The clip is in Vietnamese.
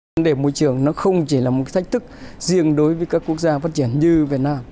vấn đề môi trường nó không chỉ là một thách thức riêng đối với các quốc gia phát triển như việt nam